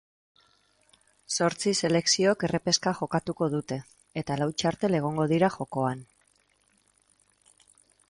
Zortzi selekziok errepeska jokatuko dute, eta lau txartel egongo dira jokoan.